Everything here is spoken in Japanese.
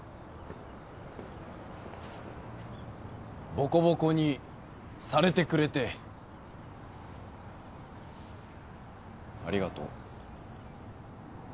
ボコボコにされてくれてありがとう。